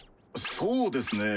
そうですね。